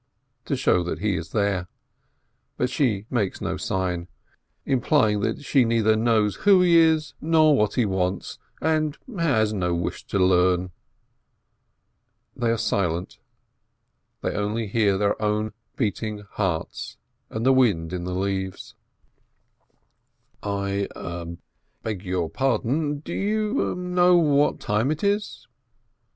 to show that he is there, but she makes no sign, implying that she neither knows who he is, nor what he wants, and has no wish to learn. They are silent, they only hear their own beating hearts and the wind in the leaves. "I beg your pardon, do you know what time it is?"